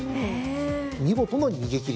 見事な逃げ切り。